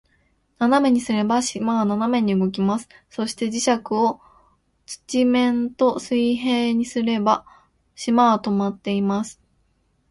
斜めにすれば、島は斜めに動きます。そして、磁石を土面と水平にすれば、島は停まっています。